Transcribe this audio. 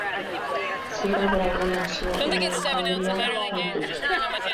Ciara Bravo nació en Alexandria, Kentucky.